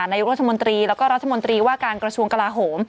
นายกรัฐมนตรีแล้วก็รัฐมนตรีว่าการกระทรวงกลาโหม